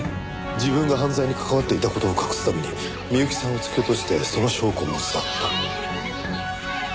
自分が犯罪に関わっていた事を隠すために美由紀さんを突き落としてその証拠を持ち去った。